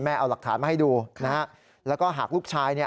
เอาหลักฐานมาให้ดูนะฮะแล้วก็หากลูกชายเนี่ย